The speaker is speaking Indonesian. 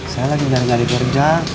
saya lagi berjalan jalan kerja